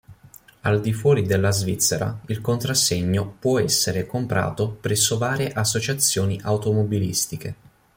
Al di fuori della Svizzera il contrassegno può essere comprato presso varie associazioni automobilistiche.